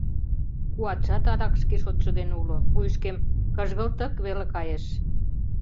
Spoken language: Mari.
Куатшат адак шке шотшо дене уло, вуйышкем кыжгылтык веле кайыш.